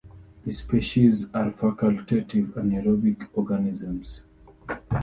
The species are facultative anaerobic organisms.